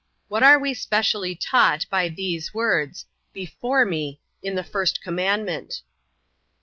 What are we specially taught by these words, before me, in the first commandment?